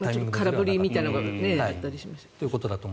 空振りみたいなのがあったりしましたね。